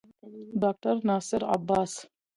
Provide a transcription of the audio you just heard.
ډاکټر ناصر عباس